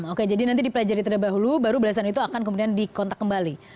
oke jadi nanti dipelajari terlebih dahulu baru belasan itu akan kemudian dikontak kembali